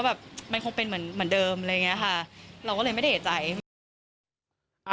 เราก็เลยไม่ได้เอ่ยใจ